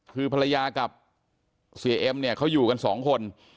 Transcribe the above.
คือภรรยากับเสียเอ็มเขาอยู่กัน๒คน